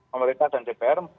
pemerintah dan jpr